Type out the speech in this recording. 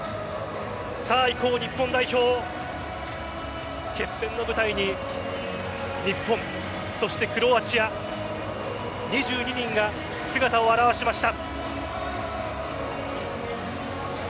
さあ行こう、日本代表決戦の舞台に日本、そしてクロアチア２２人が姿を現しました。